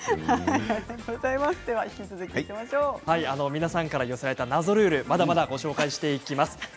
皆さんから寄せられた謎ルールまだまだご紹介します。